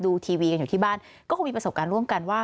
ทีวีกันอยู่ที่บ้านก็คงมีประสบการณ์ร่วมกันว่า